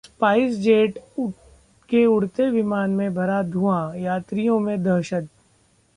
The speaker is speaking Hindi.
स्पाइसजेट के उड़ते विमान में भरा धुआं, यात्रियों में दहशत